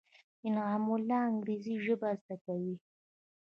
انعام الله انګرېزي ژبه زده کوي.